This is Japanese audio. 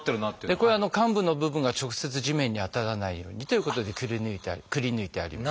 これ患部の部分が直接地面に当たらないようにということでくりぬいてあります。